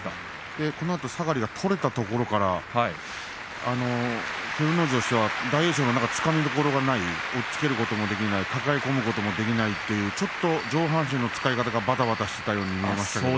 さがりが取れたところから照ノ富士としては大栄翔のつかみどころがない押っつけることも抱え込むこともできない上半身の使い方がばたばたしていたように見えました。